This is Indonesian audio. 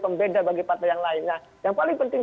pembeda bagi partai yang lainnya yang paling penting